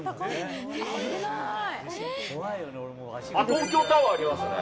東京タワーありますね。